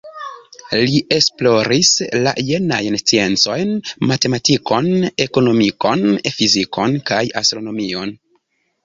Li esploris la jenajn sciencojn: matematikon, ekonomikon, fizikon kaj astronomion.